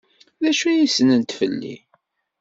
D acu ay ssnent fell-i?